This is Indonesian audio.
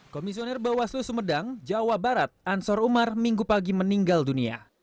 komisioner bawaslu sumedang jawa barat ansor umar minggu pagi meninggal dunia